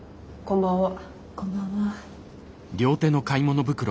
こんばんは。